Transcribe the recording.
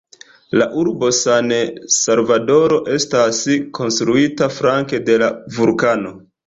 La urbo San-Salvadoro estas konstruita flanke de la vulkano.